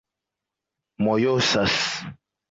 mojosas